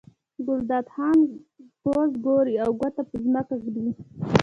ګلداد خان کوز ګوري او ګوته په ځمکه راکاږي.